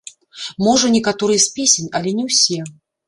Можа, некаторыя з песень, але не усе.